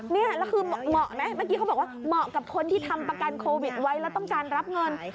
นี่แล้วคือเหมาะไหมเมื่อกี้เขาบอกว่าเหมาะกับคนที่ทำประกันโควิดไว้แล้วต้องการรับเงิน